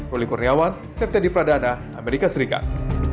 role kurniawan setia di pradana amerika serikat